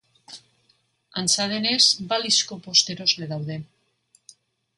Antza denez, balizko bost erosle daude.